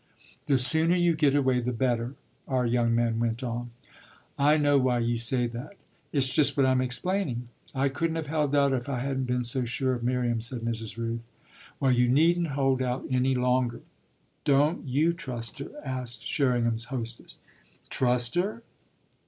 "The sooner you get away the better," our young man went on. "I know why you say that." "It's just what I'm explaining." "I couldn't have held out if I hadn't been so sure of Miriam," said Mrs. Rooth. "Well, you needn't hold out any longer." "Don't you trust her?" asked Sherringham's hostess. "Trust her?"